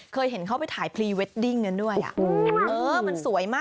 เคยเห็นเค้าไปถ่ายพรีเวดดิ้งนั้นด้วย